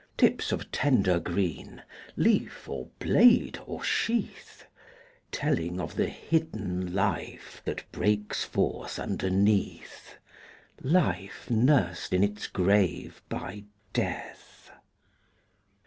Tips of tender green, Leaf, or blade, or sheath; Telling of the hidden life That breaks forth underneath, Life nursed in its grave by Death.